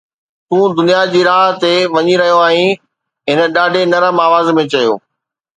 ”تون دنيا جي راهه تي وڃي رهيو آهين،“ هن ڏاڍي نرم آواز ۾ چيو.